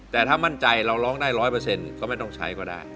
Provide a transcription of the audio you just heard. แต่ถ้ามั่นใจเราร้องได้ร้อยเปอร์เซ็นต์ก็ไม่ต้องใช้ก็ได้